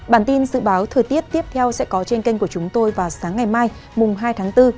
bản tin dự báo thời tiết tiếp theo sẽ có trên kênh của chúng tôi vào sáng ngày mai mùng hai tháng bốn